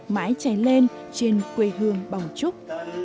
mãi chảy lên trên quê hương bảo trúc